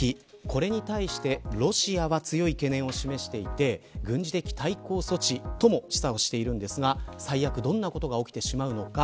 これに対してロシアは強い懸念を示していて軍事的対抗措置とも示唆をしているんですが最悪どんなことが起きてしまうのか。